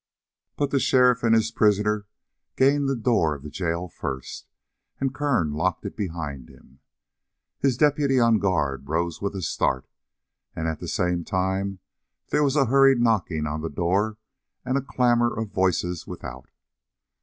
But the sheriff and his prisoner gained the door of the jail first, and Kern locked it behind him. His deputy on guard rose with a start, and at the same time there was a hurried knocking on the door and a clamor of voices without.